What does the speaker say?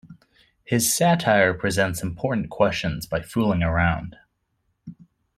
His satire presents important questions by fooling around.